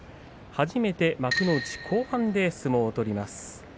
初めて幕内後半で相撲を取ります。